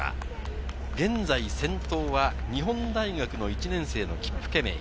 現在、先頭は日本大学の１年生のキップケメイ。